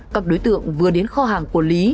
các đối tượng vừa đến kho hàng của lý